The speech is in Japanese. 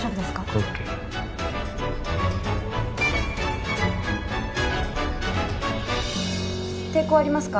ＯＫ抵抗ありますか？